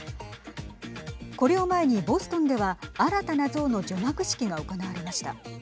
これを前にボストンでは新たな像の除幕式が行われました。